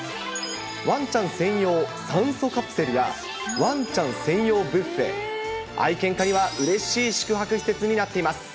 ワンちゃん専用酸素カプセルや、ワンちゃん専用ビュッフェ、愛犬家にはうれしい宿泊施設になっています。